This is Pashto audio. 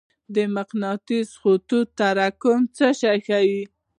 د مقناطیسي خطونو تراکم څه شی ښيي؟